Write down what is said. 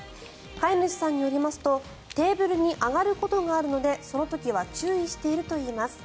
飼い主さんによりますとテーブルに上がることがあるのでその時は注意しているといいます。